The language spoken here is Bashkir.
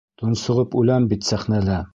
Тонсоғоп үләм бит сәхнәлә!